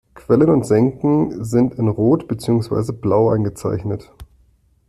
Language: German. Quellen und Senken sind in Rot beziehungsweise Blau eingezeichnet.